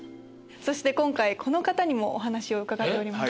そして今回この方にもお話を伺っております。